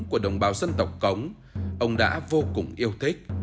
của đồng bào dân tộc cống ông đã vô cùng yêu thích